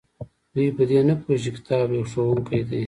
دوی په دې نه پوهیږي چې کتاب یو ښوونکی دی.